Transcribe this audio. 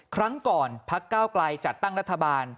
ครั้งก่อนพักเก้าไกลจัดตั้งรัฐบาล